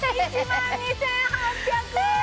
１万２８００円です！